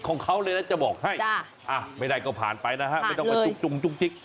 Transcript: ของเขาเลยนะจะบอกให้ไม่ได้ก็ผ่านไปนะฮะไม่ต้องมาจุ๊กจิ๊ก